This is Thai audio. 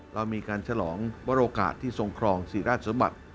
เรามีการฉลองวรโอกาสที่ทรงครองศรีราชสมบัติ